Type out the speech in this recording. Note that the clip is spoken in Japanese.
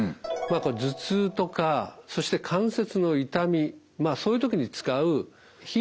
頭痛とかそして関節の痛みそういう時に使う非